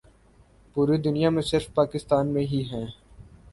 پوری دنیا میں صرف پاکستان میں ہی ہیں ۔